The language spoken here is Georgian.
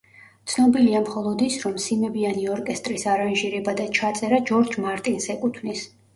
ცნობილია მხოლოდ ის, რომ სიმებიანი ორკესტრის არანჟირება და ჩაწერა ჯორჯ მარტინს ეკუთვნის.